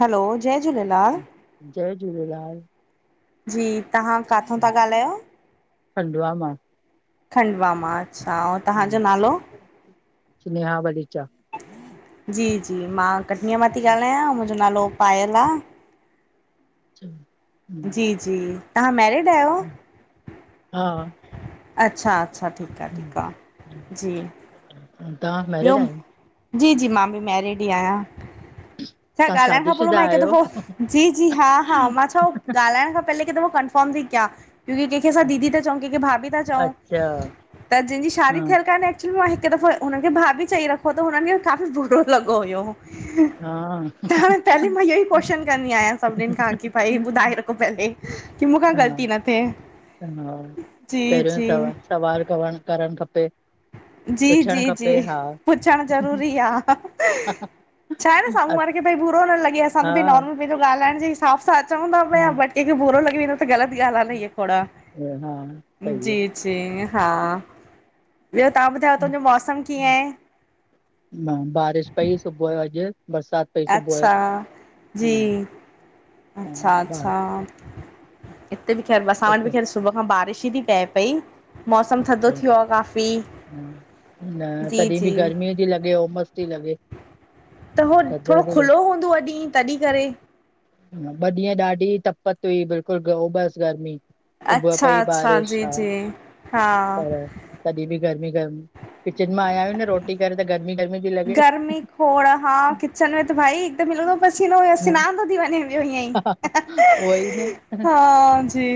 Hello, जय झूलेलाल। जय झूलेलाल। जी तव्हां काथों था ॻाल्हायो? खंडवा मां खंडवा मां, अच्छा और? स्नेहा बलीचा जी जी, मां कटनीअ मां थी ॻाल्हायां मुंजो नालो पायल आ। [inaudible] जी जी, तव्हां मैरिड आयो? हा। अच्छा अच्छा, ठीक आ ठीक आ जी। तां ॿियो मैरिज आई? जी जी मां बि मैरिड ई आयां छा तव्हां ॻाल्हाइण खां पेरों शादीशुदा मां हिकु आहियो दफ़ो जी जी, हा हा मां छा ॻाल्हाइण खां पहिले हिक दफ़ो कंफर्म थी कयां। क्योकि कंहिंखे असां दीदी था चऊं कंहिंखे भाभी था चऊं अच्छा त जिंजी शादी हा थियल कान्हे की मां हिकु दफ़ो हुनखे भाभी चई रख हो त हुननखे काफ़ी बुरो लॻो हुयो हा त पेले मां योई कोशन कंदी आयां सभिनीन खां की भई ॿुधाए रखो पेले। की मूंखां हा ग़लती न थे, हा जी पहिरियों जी। सवा सवाल कण करण खपे जी पुछणु जी खपे जी, हा पुछण ज़रूरी आ। छा आहे न हा साम्हूं वारे भई बूरो न लॻे असां त भई हा नॉर्मल पेंजो ॻाल्हाइण जे हिसाब सां अचऊं था पिया बट कैंखे बुरो लॻी वेंदो प ग़लत गाल आ न इए थोड़ा, सही आहे जी जी हा। ॿियो तव्हां ॿुधायो हुतेजो मौसम कीअं आए? मां बारिश पई सुबुह जो अॼु बरसात पई सुबुह अच्छा जो। हा, बार अच्छा-अच्छा, हिते बि ख़ैर असां वटि अच्छा बि ख़ैर सुबुह खां बारिश ई थी पए पई मौसम थधो अच्छा थियो आ काफ़ी। न जी तॾहिं जी बि गर्मी थी लॻे उमस थी लॻे। त हो थधि थोरो थी लॻे खुलो हूंदो आ ॾींहं तॾीं करे। ॿ ॾींहं ॾाढी तपत हुई बिल्कुल ग उमस गर्मी। सुबुह अच्छा पई अच्छा बारिश जी हा। जी हा पर तॾीं बि गर्मी गर्मी, किचन मां आया आयूं न रोटी करे त गर्मी गर्मी थी लॻे। खड़ा हा किचन में त भाई हिकदम गीलोंदो पसीनो हुस हा, सनान थो थी वञेअ ई उहो ई ह जी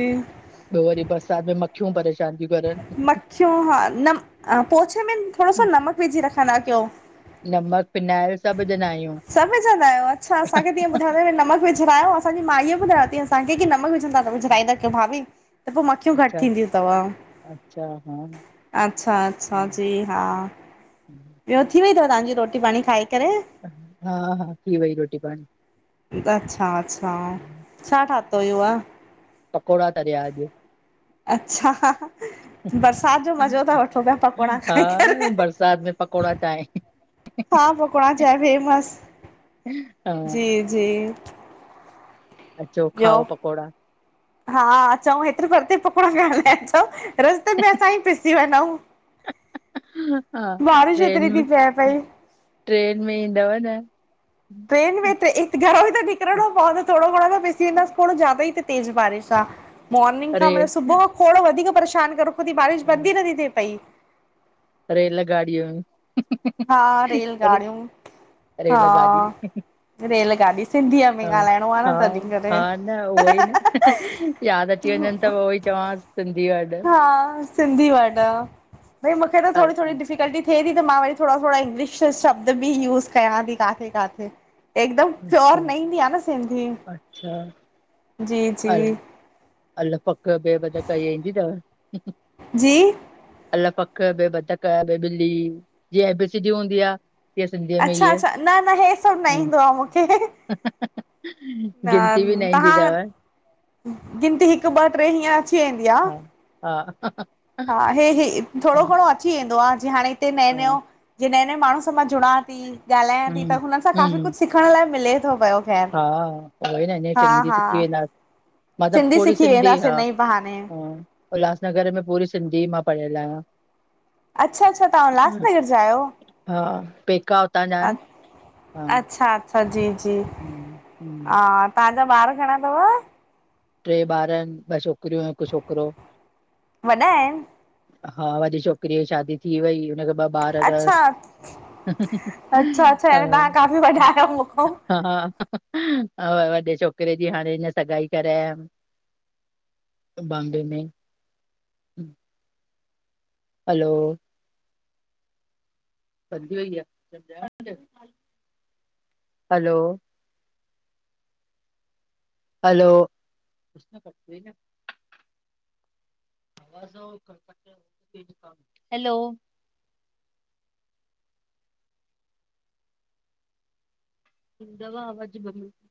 ॿियों वरी बरसात में मखियूं परेशान थियूं करन। मखियूं हा न पोछे में थोरो सो नमक विझी रखंदा कयो। नमक फीनाईल सभु विझंदा आहियो अच्छा असांखे तीअं ॿुधाईंद नमक विझरायो असांजी माई ॿधाय अ थी असांखे की नमक विझंदा विझड़ाईंदा कयो भाभी। त पोइ मखियूं घटि अच्छा थींदियूं थव अच्छा हा अच्छा अच्छा जी हा। हम्म ॿियो थी वेई थव तव्हांजी रोटी पाणी खाई करे। हा हा थी वई रोटी पाणी। अच्छा अच्छा छा ठातयो हुयो आ। पकोड़ा तरया अञ अच्छा बरसात जो मज़ो ता वठो पिया पकोड़ा खाई हा करे। बरसाति में पकोड़ा चांहि। हा पकोड़ा चांह फेमस। हा जी जी चो ॿियो खाओ पकोड़ा हा अचऊ हेतिरे परते पकोड़ाण लाइ अच रस्ते में असां ई पिसी वञूं। हा बारिश ट्रेन हैतरी थी में पै पई। ट्रेन में ईंदव न। ट्रेन में घरो ई त निकिरणो पवंदो थोरो घणो त पिसी वेंदासीं ज्दा ई ते बारिश आहे। मोर्निंग खां मतलब रेल सुबुह खां खो वधीक परेशानु करे रखो थी बारिश बंद ई नथी थिए पई। रेलल गाड़ूं हा रेलगाड़ियूं हा रेल गाॾी रेलगाॾी सिंधीअ में हा ॻाल्हाइणो आ हा न तॾहिं करे। हा न उहोई न याद अची वञनि त उहो ई चवांसि सिंधी वंड हा सिंधी वाडा भई मूंखे न अल थोडी थोडी डिफिकल्टी थिए थी त मां वरी थोरा थोरा इंग्लिश शब्द बि यूस कयां थी काथे काथे। हिकदम प्योर अच्छा न ईंदी आहे न सिंधी अच्छा जी अल जी अल पक ॿे बधक ईंदी अथव। जी अल पख ॿि बतक ॿ ॿिली जीअं एी हूंदी आ। अच्छा अचछा न न हे सब न हम्म, ईंदो आ मूंखे। गिनती बि न ईंदी अथव तव्हां गिनती हिकु ॿ टे हींअं अो हा हा हा हे हे थोरो घणो अची वेंदो आ जी हाणे हिते नयो नयों हा जीअं नएं नएं माण्हू मां जुड़ां थी ॻाल्हायां थी हम्म त हुननि सां काी हम्म कुछ सिखण लाइ मिले थो पियो ख़ैर हा प न इ हा सिंग जी हा सिखी व [unintelligible] मतलब सिंधी पुरी सिखी सिंधी वेंदासीं हा हिन ई बहाने ह उल्हासनगर में पूरी सिंधी मां पढ़ियल आहियां। अच्छा अच्छा तव्हां उल्हासनगर जा आहियो हा पेका हुतां जा अ। आहिनि हा अच्छा अच्छा जी जी हम्म हम्म। हा तव्हांजा ॿार घणा थव टे ॿार आहिन ॿ छोकिरियूं हिक छोकिरो। वॾा आहिन। हा वॾी छोकिरीअ जी शादी थी वई हुनखे ॿ ॿार अच्छा तस अच्छा अच्छा यानी तव्हां काफ़ी वॾा आहियो मूंखों हा हा वॾे छोकिरे जी हाणे हिन सगाई करे आयम। बॉम्बे में हलो ई हलो हलो [inaudible] हलो सफा आवाज [unintelligible]